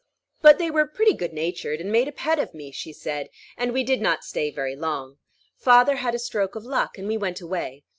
"But they were pretty good natured, and made a pet of me," she said; "and we did not stay very long. Father had a stroke of luck, and we went away.